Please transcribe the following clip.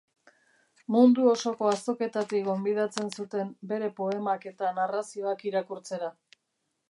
Mundu osoko azoketatik gonbidatzen zuten bere poemak eta narrazioak irakurtzera.